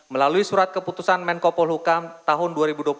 melalui surat keputusan menkopol hukam tahun dua ribu dua puluh empat